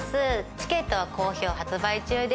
チケットは好評発売中です